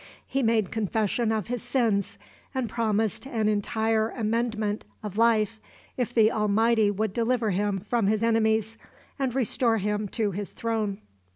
He made confession of his sins, and promised an entire amendment of life if the Almighty would deliver him from his enemies and restore him to his throne.